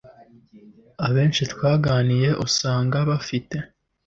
Abeshi twaganiriye usanga bafite